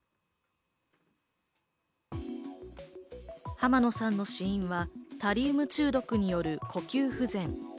浜野さんの死因はタリウム中毒による呼吸不全。